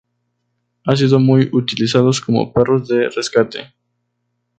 Han sido muy utilizados como perros de rescate.